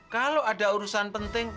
kalau ada urusan penting